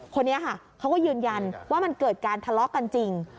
คนนี้ค่ะเขาก็ยืนยันว่ามันเกิดการทะเลาะกันจริง